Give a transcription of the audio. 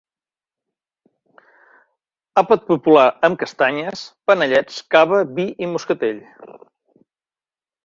Àpat popular amb castanyes, panellets, cava, vi i moscatell.